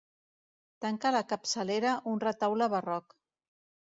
Tanca la capçalera un retaule barroc.